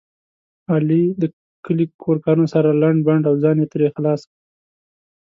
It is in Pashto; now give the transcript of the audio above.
علي د کلي کور کارونه سره لنډ بنډ او ځان یې ترې خلاص کړ.